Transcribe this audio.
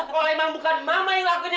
kalau emang bukan mama yang lagunya